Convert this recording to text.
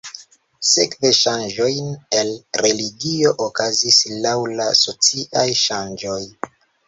Sekve ŝanĝojn en religio okazis laŭ la sociaj ŝanĝoj.